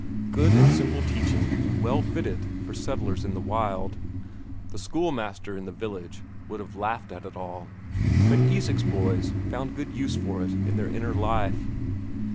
Good and simple teaching, well fitted for settlers in the wilds; the schoolmaster in the village would have laughed at it all, but Isak's boys found good use for it in their inner life.